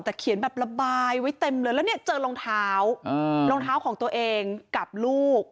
แต่เขียนแบบระบายไว้เต็มเลยแล้วเนี่ยเจอรองเท้ารองเท้าของตัวเองกับลูก